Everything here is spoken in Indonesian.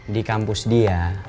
di kampus dia